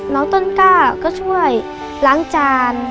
น้องต้นกล้าก็ช่วยล้างจาน